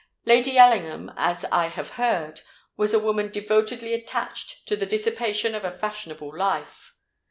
Lady Ellingham, as I have heard, was a woman devotedly attached to the dissipation of a fashionable life.